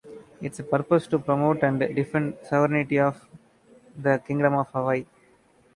Its purpose to promote and defend the sovereignty of the Kingdom of Hawaii.